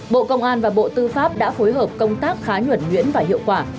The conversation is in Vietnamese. bộ công an và bộ tư pháp đã phối hợp công tác khá nhuẩn nhuyễn và hiệu quả